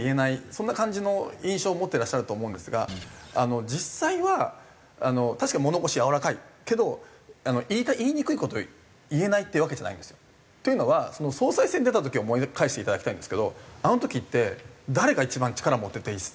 そんな感じの印象を持ってらっしゃると思うんですが実際は確かに物腰やわらかいけど言いにくい事を言えないっていうわけじゃないんですよ。というのは総裁選に出た時を思い返していただきたいんですけどあの時って誰が一番力持ってて。